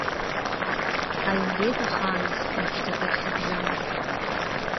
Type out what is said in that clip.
Ҳаилгеит ахааназ, уажәшьҭа акагь ҳабжьам…